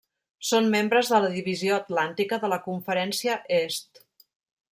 Són membres de la Divisió Atlàntica de la Conferència Est.